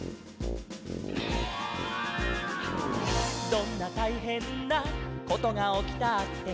「どんなたいへんなことがおきたって」